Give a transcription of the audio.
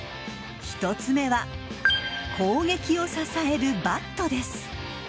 １つ目は攻撃を支えるバットです。